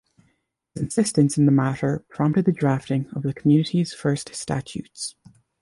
His insistence in the matter prompted the drafting of the community's first statutes.